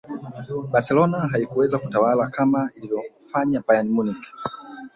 barcelona haikuweza kutawala kama ilivyofanya bayern munich